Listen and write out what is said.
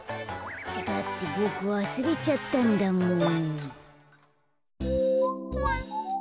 だってボクわすれちゃったんだもん。